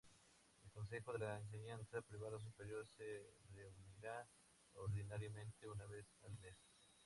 El Consejo de la Enseñanza Privada Superior se reunirá ordinariamente una vez al mes.